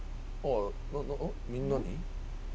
みんなに。